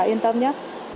mình sẽ yên tâm nhé